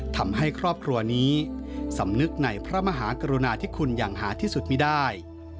ทำให้ครอบครัวนี้สำนึกในพระมหากรุณาที่คุณอย่างหาที่สุดไม่ได้